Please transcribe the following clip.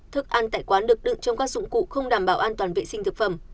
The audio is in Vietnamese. thức ăn tại quán được đựng trong các dụng cụ không đảm bảo an toàn vệ sinh thực phẩm